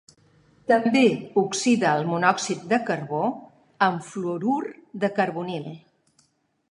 També oxida el monòxid de carbó en fluorur de carbonil.